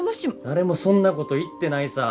誰もそんなこと言ってないさ。